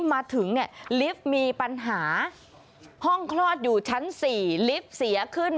พาพนักงานสอบสวนสนราชบุรณะพาพนักงานสอบสวนสนราชบุรณะ